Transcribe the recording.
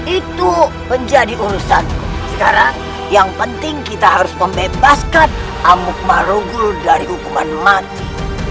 itu menjadi urusan sekarang yang penting kita harus membebaskan amuk marogo dari hukuman mati